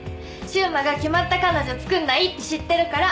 柊磨が決まった彼女作んないって知ってるから。